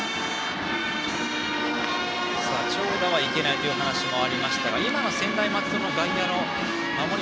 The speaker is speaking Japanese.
長打はいけないという話はありましたが今は専大松戸の外野の守り